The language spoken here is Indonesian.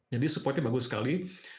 jadi supportnya bagus sekali